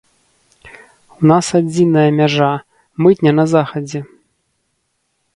У нас адзіная мяжа, мытня на захадзе.